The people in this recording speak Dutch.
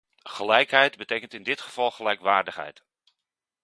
Gelijkheid betekent in dit geval gelijkwaardigheid.